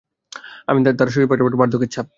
তবে শরীরের ভাঁজে ভাঁজে বার্ধ্যকের ছাপ।